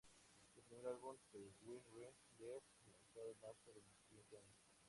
Su primer álbum, Til We're Dead, lanzado en marzo del siguiente año.